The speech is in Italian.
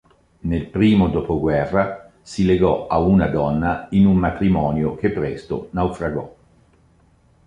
Nel primo dopoguerra si legò a una donna in un matrimonio che presto naufragò.